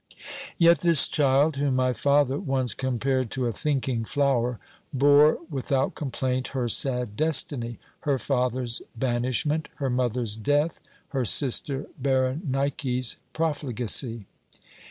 "Yet this child, whom my father once compared to a thinking flower, bore without complaint her sad destiny her father's banishment, her mother's death, her sister Berenike's profligacy.